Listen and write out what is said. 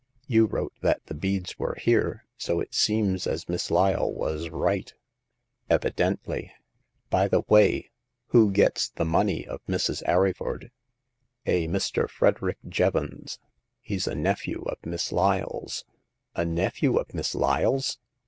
You wrote that the beads were here, so it seems as Miss Lyle was right." Evidently. By the way, who gets the money of Mrs. Arryford ?"A Mr. Frederick Jevons ; he's a nephew of Miss Lyle's." A nephew of Miss Lyle's